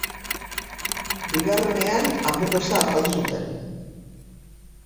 Bigarrenean hanburgesa afaldu zuten.